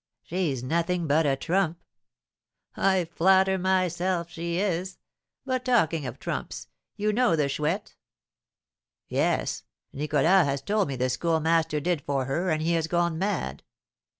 "She's nothing but a trump!" "I flatter myself she is. But, talking of trumps, you know the Chouette?" "Yes; Nicholas has told me the Schoolmaster did for her, and he has gone mad."